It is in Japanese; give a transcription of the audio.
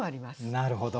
なるほど。